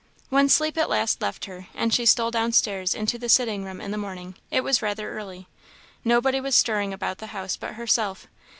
When sleep at last left her, and she stole downstairs into the sitting room in the morning, it was rather early. Nobody was stirring about the house but herself.